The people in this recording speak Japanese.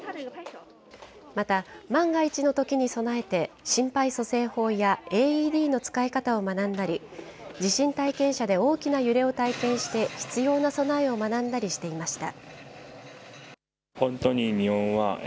また、万が一のときに備えて、心肺蘇生法や、ＡＥＤの使い方を学んだり、地震体験車で大きな揺れを体験して必要な備えを学んだりしていました。